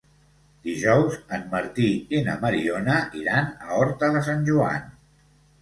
Dijous en Martí i na Mariona iran a Horta de Sant Joan.